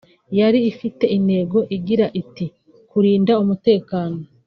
yari ifite intego igira iti “Kurinda umutekano